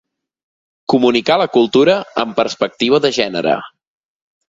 Comunicar la cultura amb perspectiva de gènere.